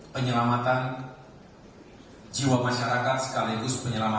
penyelamatan jiwa masyarakat sekaligus penyelamatan